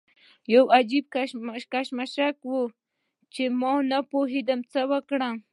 یو عجیبه کشمکش و چې ما نه پوهېدم څه وکړم.